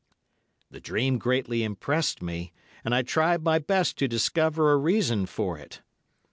The dream greatly impressed me, and I tried my best to discover a reason for it.